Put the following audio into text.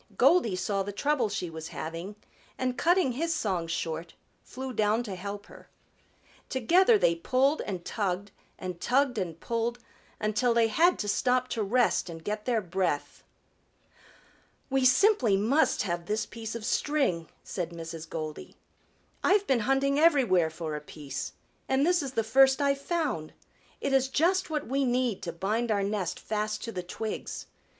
Goldy saw the trouble she was having and cutting his song short, flew down to help her. Together they pulled and tugged and tugged and pulled, until they had to stop to rest and get their breath. "We simply must have this piece of string," said Mrs. Goldy. "I've been hunting everywhere for a piece, and this is the first I've found. It is just what we need to bind our nest fast to the twigs.